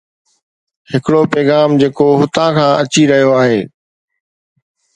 ھڪڙو پيغام جيڪو ھتان کان اچي رھيو آھي.